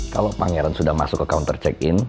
kalau pangeran sudah masuk ke counter check in